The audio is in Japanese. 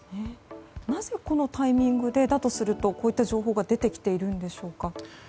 なぜこのタイミングでだとすると、こういった情報が出てきているんでしょうか？